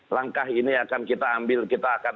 langkah ini akan kita ambil kita akan